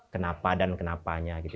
kenapa dan kenapanya gitu